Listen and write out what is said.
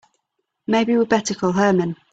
Maybe we'd better call Herman.